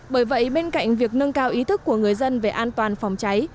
bởi vậy bên cạnh việc nâng cao ý thức của người dân về an toàn phòng cháy